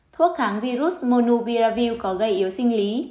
thuốc kháng virus monoviravir có gây yếu sinh lý